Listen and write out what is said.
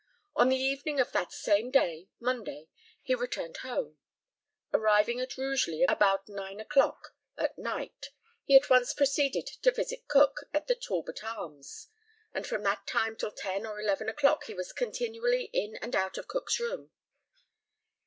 On the evening of that same day (Monday) he returned home. Arriving at Rugeley about nine o'clock at night, he at once proceeded to visit Cook, at the Talbot Arms; and from that time till ten or eleven o'clock he was continually in and out of Cook's room.